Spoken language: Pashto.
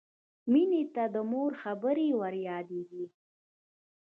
مینې ته د مور خبرې وریادېدې